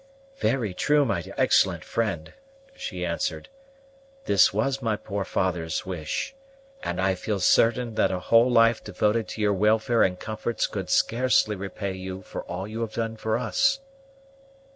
"Very true, my excellent friend," she answered; "this was my poor father's wish, and I feel certain that a whole life devoted to your welfare and comforts could scarcely repay you for all you have done for us."